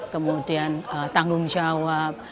kemudian tanggung jawab